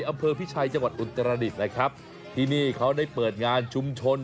อำเภอพิชัยจังหวัดอุตรดิษฐ์นะครับที่นี่เขาได้เปิดงานชุมชน